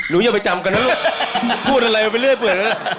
อย่าไปจำกันนะลูกพูดอะไรไปเรื่อย